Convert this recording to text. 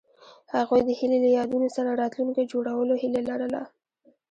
هغوی د هیلې له یادونو سره راتلونکی جوړولو هیله لرله.